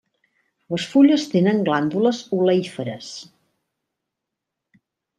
Les fulles tenen glàndules oleíferes.